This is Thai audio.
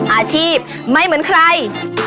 อาชีพไม่เหมือนใคร